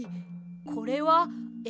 これはえ